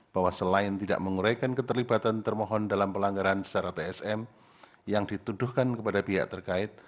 bahwa selain tidak menguraikan keterlibatan termohon dalam pelanggaran secara tsm yang dituduhkan kepada pihak terkait